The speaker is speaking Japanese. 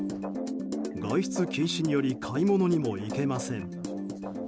外出禁止により買い物にも行けません。